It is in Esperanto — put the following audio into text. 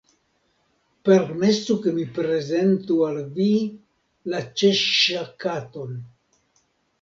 Permesu ke mi prezentu al vi la Ĉeŝŝa Katon.